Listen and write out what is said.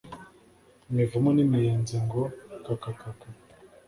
imivumu n’imiyenzi ngo kakakaka